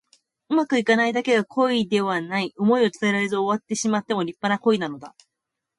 うまくいかないだけが恋ではない。想いを伝えられず終わってしまっても立派な恋なのだ。